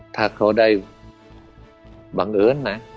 ถ้าเขาได้บังเอิญนะ